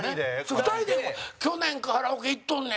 ２人で去年、カラオケ行っとんねん！